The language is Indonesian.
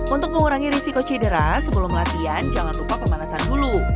untuk mengurangi risiko cedera sebelum latihan jangan lupa pemanasan dulu